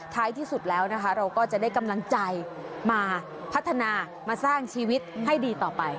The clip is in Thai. ที่สุดแล้วนะคะเราก็จะได้กำลังใจมาพัฒนามาสร้างชีวิตให้ดีต่อไป